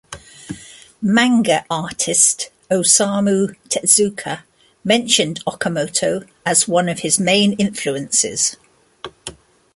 Manga artist Osamu Tezuka mentioned Okamoto as one of his main influences.